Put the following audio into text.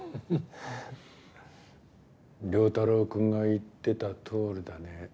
良太郎くんが言ってたとおりだね。